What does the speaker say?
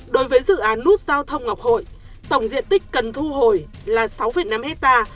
đối với dự án nút giao thông ngọc hội tổng diện tích cần thu hồi là sáu năm hectare